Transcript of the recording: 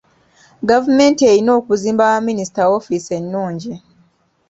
Gavumenti erina okuzimba baminisita woofiisi ennungi.